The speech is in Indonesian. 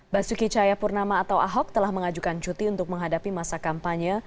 basuki cahayapurnama atau ahok telah mengajukan cuti untuk menghadapi masa kampanye